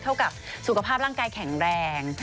เท่ากับสุขภาพร่างกายแข็งแรง